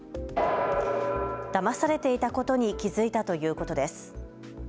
だまされていたことに気付いたということです。